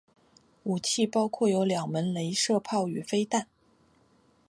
武器包含有两门雷射炮与飞弹。